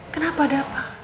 kenapa ada apa